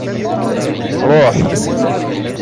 Ruḥ!